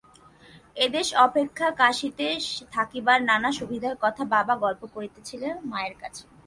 এদেশ অপেক্ষা কাশীতে থাকিবার নানা সুবিধার কথা বাবা গল্প করিতেছিল মায়ের কাছে।